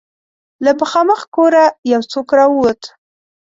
له مخامخ کوره يو څوک را ووت.